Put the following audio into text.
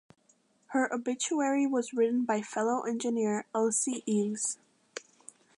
Her obituary was written by fellow engineer Elsie Eaves.